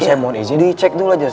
takut kesianan sofya